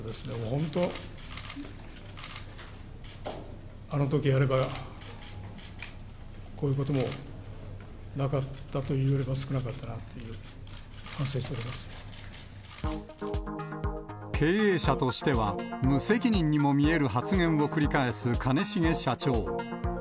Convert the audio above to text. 本当、あのときやれば、こういうこともなかったかなといえば、少なかったなというふうに経営者としては、無責任にも見える発言を繰り返す兼重社長。